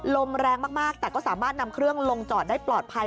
ลมแรงมากแต่ก็สามารถนำเครื่องลงจอดได้ปลอดภัย